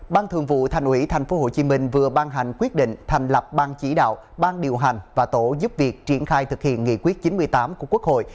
ban thường vụ thành ủy tp hcm vừa ban hành quyết định thành lập ban chỉ đạo ban điều hành và tổ giúp việc triển khai thực hiện nghị quyết chín mươi tám của quốc hội